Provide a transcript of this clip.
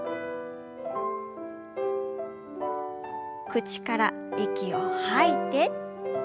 口から息を吐いて。